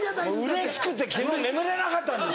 うれしくて昨日眠れなかった。